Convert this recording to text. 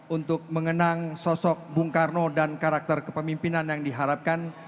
untuk mengenang sosok bung karno dan karakter kepemimpinan yang diharapkan